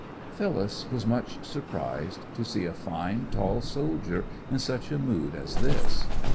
Phyllis was much surprised to see a fine, tall soldier in such a mood as this.